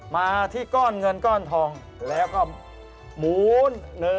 มาที่ก้อนเงินก้อนทองแล้วก็หมูน